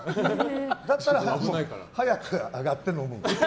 だったら、早く上がって飲む。